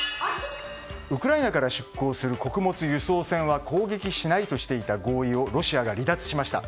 ウクライナから出港する穀物輸送船は攻撃しないとしていた合意をロシアが離脱しました。